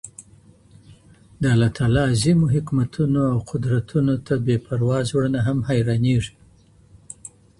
د الله تعالی عظيمو حکمتونو او قدرتونو ته بي پروا زړونه هم حيرانيږي.